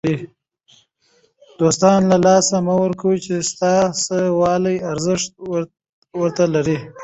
دوستان له لاسه مه ورکوئ! چي ستا سته والى ارزښت ور ته لري.